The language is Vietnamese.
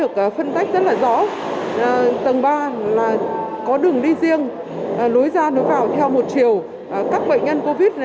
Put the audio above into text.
các bệnh nhân covid một mươi chín